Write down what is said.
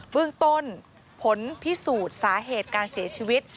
ปืนต้นผลพิสูจน์สาเหตุการเศรษฐ์ชีวิต